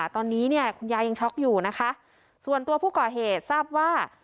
ตอนนี้เนี่ยคุณยายยังช็อกอยู่นะคะส่วนตัวผู้ก่อเหตุทราบว่า